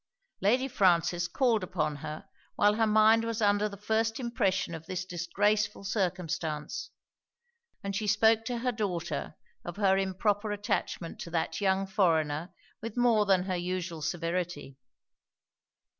Lady Frances called upon her while her mind was under the first impression of this disgraceful circumstance; and she spoke to her daughter of her improper attachment to that young foreigner with more than her usual severity.